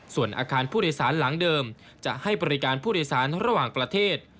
ส่วนอาคารผู้โดยสารหลังเดิมจะให้บริการผู้โดยสารระหว่างประเทศ